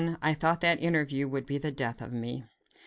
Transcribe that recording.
I thought that interview would be the death of me.